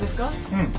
うん。